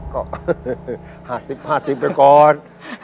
ก็๕๐๕๐ไปก่อน